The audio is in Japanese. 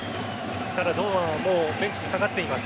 ただ、堂安はもうベンチに下がっています。